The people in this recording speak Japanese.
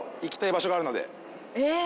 えっ？